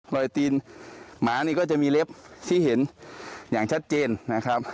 รอยตีนหมานี่ก็จะมีเล็บที่เห็นอย่างชัดเจนนะครับ